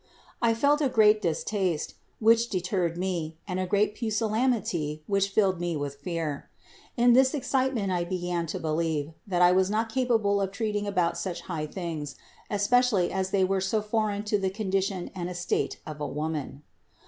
I felt a great distaste, which deterred me and a great pusillanimity which filled me with fear. In this excitement I began to believe, that I was not capable of treating about such high things, especially as they were so foreign to the condition and estate of a woman.